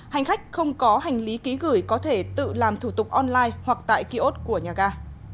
hành khách không có hành lý ký gửi có thể tự làm thủ tục online hoặc tại kiosk của nhà ga